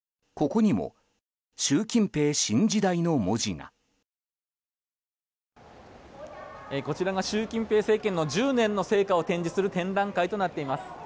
こちらが習近平政権の１０年の成果を展示する展覧会となっています。